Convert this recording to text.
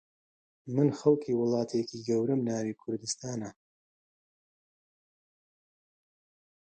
من خەڵکی وڵاتێکی گەورەم ناوی کوردستانە